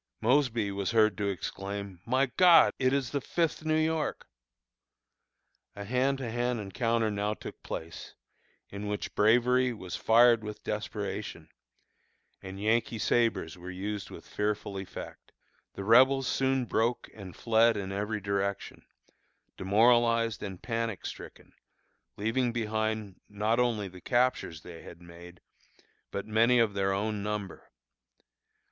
Mosby was heard to exclaim, "My God! it is the Fifth New York!" A hand to hand encounter now took place, in which bravery was fired with desperation, and Yankee sabres were used with fearful effect. The Rebels soon broke and fled in every direction, demoralized and panic stricken, leaving behind not only the captures they had made, but many of their own number.